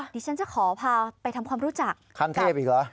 ดิฉันจะขอพาไปทำความรู้จักขั้นเทพอีกเหรอ